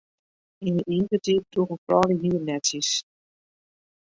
Yn de Izertiid droegen froulju hiernetsjes.